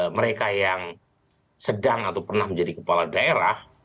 mereka yang sedang atau pernah menjadi kepala daerah